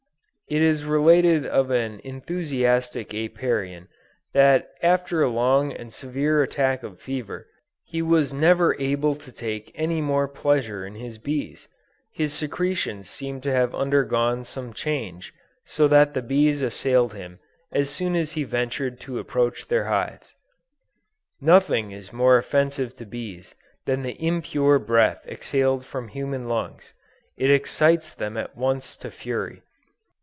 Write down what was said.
It is related of an enthusiastic Apiarian, that after a long and severe attack of fever, he was never able to take any more pleasure in his bees; his secretions seem to have undergone some change, so that the bees assailed him as soon as he ventured to approach their hives. Nothing is more offensive to bees than the impure breath exhaled from human lungs; it excites them at once to fury.